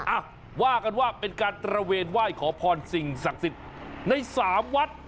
อ่ะว่ากันว่าเป็นการตระเวนไหว้ขอพรสิ่งศักดิ์สิทธิ์ในสามวัด